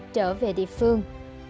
trở về địa phương